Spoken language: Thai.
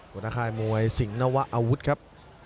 หัวหน้าค่ายมวยสิงหนวะอาวุธครับ